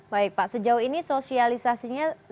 baik pak sejauh ini sosialisasinya seperti apa di tempat ini